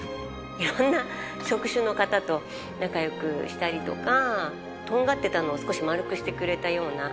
いろんな職種の方と仲よくしたりとか、とんがってたのを少し丸くしてくれたような。